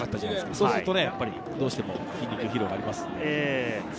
そうすると、どうしても疲労がありますよね。